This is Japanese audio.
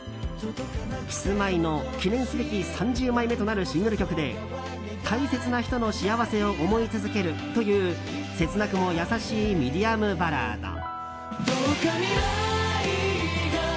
キスマイの記念すべき３０枚目となるシングル曲で大切な人の幸せを思い続けるという切なくも優しいミディアムバラード。